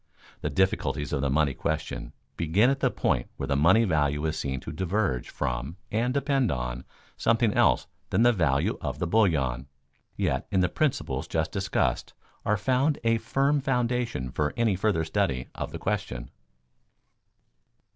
The difficulties of the money question begin at the point where the money value is seen to diverge from, and depend on, something else than the value of the bullion. Yet in the principles just discussed are found a firm foundation for any further study of the question.